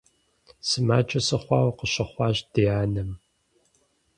Сымаджэ сыхъуауэ къыщыхъуащ ди анэм.